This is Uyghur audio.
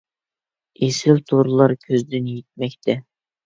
ئېسىل تورلار كۆزدىن يىتمەكتە.